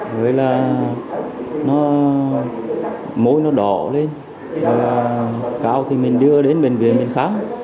vậy là môi nó đỏ lên cao thì mình đưa đến bệnh viện mình khám